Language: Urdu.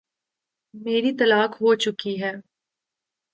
میری طلاق ہو چکی ہے۔